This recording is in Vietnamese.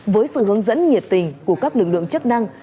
với sự hướng dẫn nhiệt tình của các lực lượng chức năng